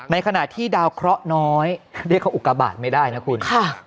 ในขณะที่ดาวเคราะห์น้อยเรียกเขาอุกบาทไม่ได้นะคุณ